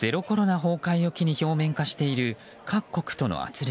崩壊を機に表面化している各国との軋轢。